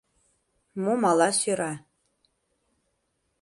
Мом ала сӧра?..